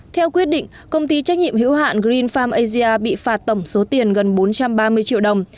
theo quyết định công ty trách nhiệm hữu hạn green farm asia bị phạt tổng số tiền gần bốn trăm ba mươi triệu đồng